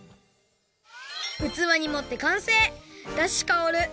うつわにもってかんせい！